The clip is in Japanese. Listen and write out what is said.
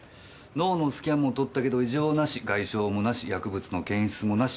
脳のスキャンも撮ったけど異常なし外傷もなし薬物の検出もなし。